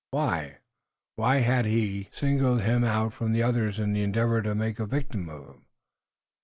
Why? Why had he singled him out from the others in the endeavor to make a victim of him?